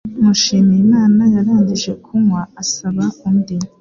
Mushimiyimana yarangije kunywa, asaba undi.